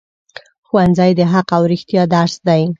ښوونځی د حق او رښتیا درس دی